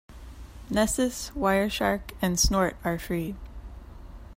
Nessus, Wireshark, and Snort are free.